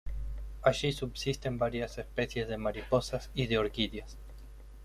Allí subsisten varias especies de mariposas y de orquídeas.